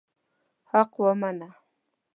حق ومنه.